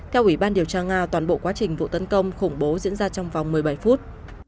theo ủy ban điều tra nga toàn bộ quá trình vụ tấn công khủng bố diễn ra trong vòng một mươi bảy phút